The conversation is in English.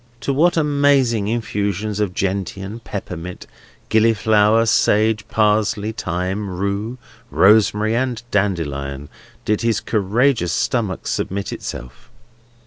To what amazing infusions of gentian, peppermint, gilliflower, sage, parsley, thyme, rue, rosemary, and dandelion, did his courageous stomach submit itself!